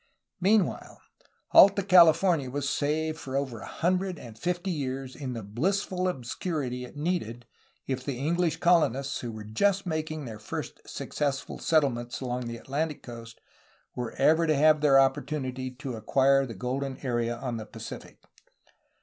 Meanwhile Alta California was saved for over a hundred and fifty years in the blissful obscurity it needed if the English colonists who were just making their first successful settlements along the Atlantic coast were ever to have their opportunity to acquire the golden area on the Pacific.